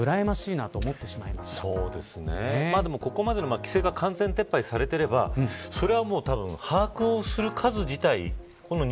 ここまで規制が完全撤廃されてればそれはたぶん、把握をする数自体